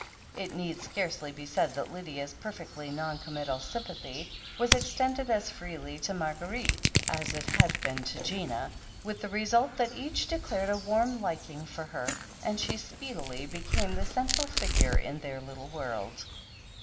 It need scarcely be said that Lydia's perfectly non committal sympathy was extended as freely to Mar guerite as it had been to Gina, with the result that each declared a warm liking for her, and she speedily be came the central figure in their little world.